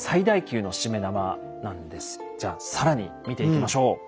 じゃあ更に見ていきましょう。